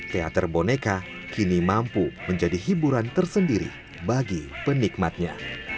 teater boneka kini mampu menjadi hiburan tersendiri bagi penikmatnya